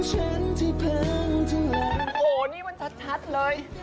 โหนี่มันชัดเลย